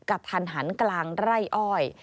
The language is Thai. กระทันหันกลางไร่อ้อย